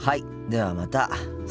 ではまた。